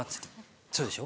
そうでしょ？